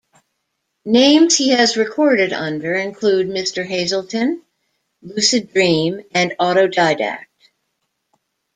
Names he has recorded under include Mr. Hazeltine, Lucid Dream, and Autodidact.